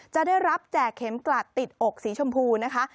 จะได้รับแจกเข็มกลัดติดอกสีชมพูนะคะ